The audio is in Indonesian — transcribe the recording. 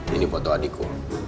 ini foto adikku